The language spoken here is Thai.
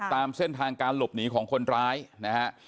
ตามเส้นทางการหลบหนีของคนร้ายนะฮะ